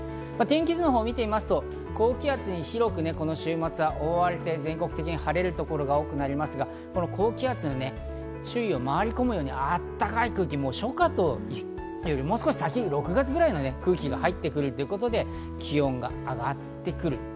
天気図のほうを見てみたいと思いますが、高気圧に広くこの週末覆われて全国的に晴れる所が多くなりますが、この高気圧の周囲を回り込むようなあったかい空気、もう初夏というより６月ぐらいの空気が入ってくるということで、気温が上がってくる。